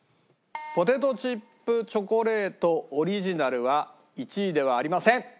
ポテトチップチョコレートオリジナルは１位ではありません。